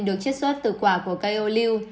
được chiết xuất từ quả của cây ô lưu